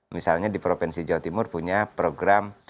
misalnya di provinsi jawa timur punya program yang berbeda